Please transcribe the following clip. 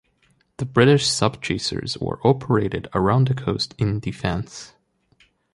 The British sub chasers were operated around the coast in defence.